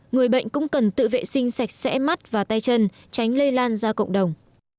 người bệnh cũng cần tự vệ sinh sạch sẽ mắt và tay chân tránh lây lan ra cộng đồng